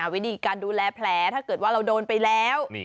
วิธีการดูแลแผลถ้าเกิดว่าเราโดนไปแล้ว